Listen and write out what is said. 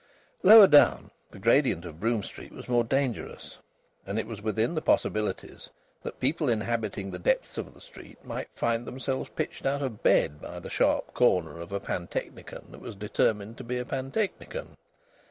Lower down the gradient of Brougham Street was more dangerous, and it was within the possibilities that people inhabiting the depths of the street might find themselves pitched out of bed by the sharp corner of a pantechnicon that was determined to be a pantechnicon.